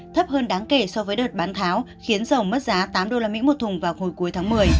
thấp hơn đáng kể so với đợt bán tháo khiến dầu mất giá tám usd một thùng vào hồi cuối tháng một mươi